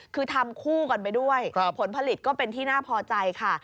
คือทำคู่กันไปด้วยผลผลิตก็เป็นที่น่าพอใจค่ะ